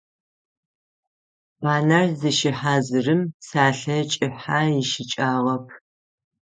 Ӏанэр зыщыхьазырым псэлъэ кӏыхьэ ищыкӏагъэп.